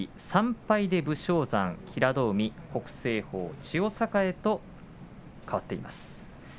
３敗で武将山、平戸海、北青鵬、千代栄と変わっています。